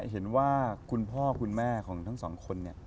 เห็นว่าคุณพ่อคุณแม่ของทั้งสองคนเนี่ย